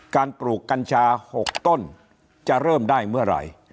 ปลูกกัญชา๖ต้นจะเริ่มได้เมื่อไหร่